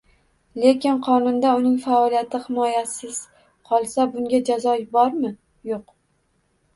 Lekin qonunda uning faoliyati himoyasiz qolsa, bunga jazo bormi? Yo‘q.